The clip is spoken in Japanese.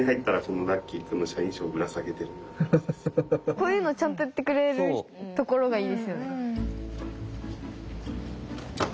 こういうのちゃんとやってくれるところがいいですよね。